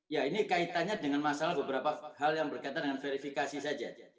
ya ini kaitannya dengan masalah beberapa hal yang berkaitan dengan verifikasi saja